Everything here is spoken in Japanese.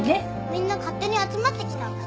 みんな勝手に集まってきたんだ。